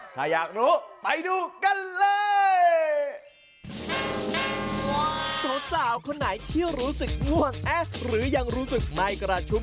หล่อจริงนะครับ